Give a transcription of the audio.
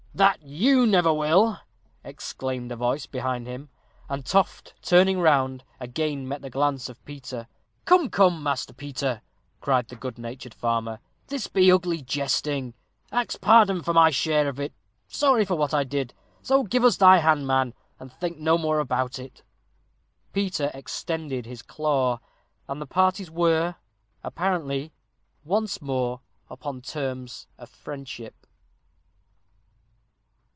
"That you never will," exclaimed a voice behind him; and Toft, turning round, again met the glance of Peter. "Come, come, Master Peter," cried the good natured farmer, "this be ugly jesting ax pardon for my share of it sorry for what I did so give us thy hand, man, and think no more about it." Peter extended his claw, and the parties were, apparently, once more upon terms of friendship.